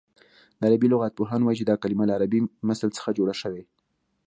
د عربي لغت پوهان وايي چې دا کلمه له عربي مثل څخه جوړه شوې